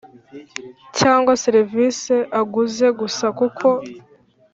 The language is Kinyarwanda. cyangwa serivisi aguze gusa kuko